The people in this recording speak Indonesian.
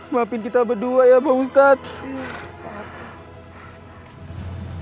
maafin kita berdua ya bang ustadz